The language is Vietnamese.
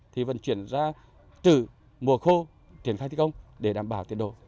thì vận chuyển ra trừ mùa khô triển khai thi công để đảm bảo tiến độ